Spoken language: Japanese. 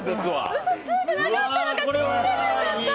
うそついてなかったのか信じればよかった！